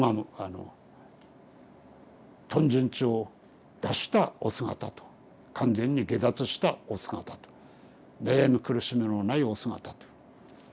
貪瞋痴を脱したお姿と完全に解脱したお姿と悩み苦しみのないお姿と。